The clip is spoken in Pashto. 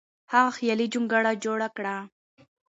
هغه خیالي جونګړه جوړه کړه.